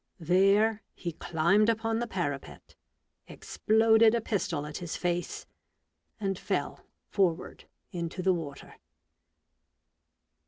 There he climbed upon the parapet, exploded a pistol at his face, and fell forward into the water.